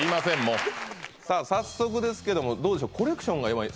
もうさあ早速ですけどもどうでしょう？